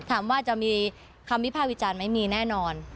ถามว่าจะมีความวิภาควิจารณ์ไม่มีแน่นอน